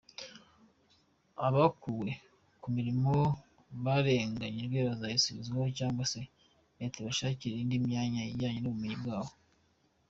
Abakuwe kumilimo barenganyijwe bazayisubizwaho cyangwa se leta ibashakire indi myanya ijyanye n’ubumenyi bwabo.